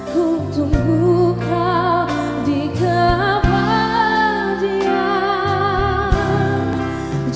ku tunggu kau di kepadiamu